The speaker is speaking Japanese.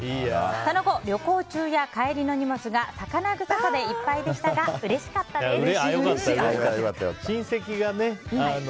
その後、旅行中や帰りの荷物が魚臭さでいっぱいでしたがうれしかったです。